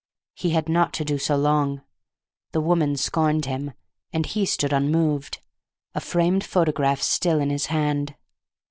He had not to do so long. The woman scorned him, and he stood unmoved, a framed photograph still in his hand.